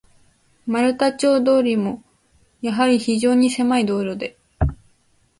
丸太町通も、やはり非常にせまい道路で、